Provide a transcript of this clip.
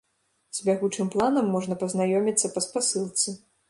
З бягучым планам можна пазнаёміцца па спасылцы.